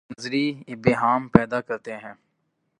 وہ صرف نظری ابہام پیدا کرتے ہیں۔